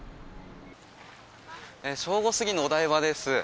正午過ぎのお台場です。